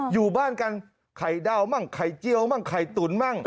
อยู่บ้านกันไข่ดาวมั่งไข่เจียวมั่งไข่ตุ๋นมั่ง